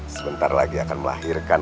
sebentar lagi akan melahirkan